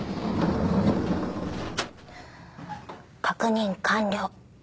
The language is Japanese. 確認完了。